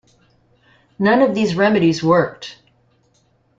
None of these remedies worked.